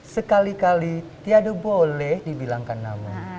sekali kali tiada boleh dibilangkan nama